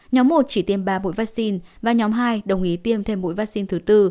nhóm một chỉ tiêm ba mũi vaccine và nhóm hai đồng ý tiêm thêm mũi vaccine thứ tư